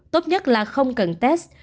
tốt nhất là không cần test